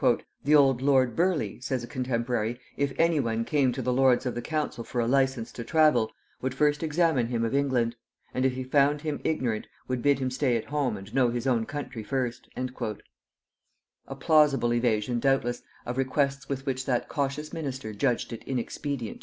"] "The old lord Burleigh," says a contemporary, "if any one came to the lords of the council for a license to travel, would first examine him of England. And if he found him ignorant, would bid him stay at home and know his own country first." A plausible evasion, doubtless, of requests with which that cautious minister judged it inexpedient to comply.